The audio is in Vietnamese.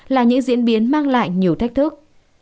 là những diễn biến mang lại nhiều thách thức